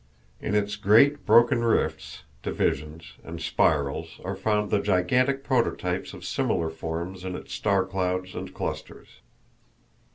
In its great broken rifts, divisions, and spirals are found the gigantic prototypes of similar forms in its star clouds and clusters.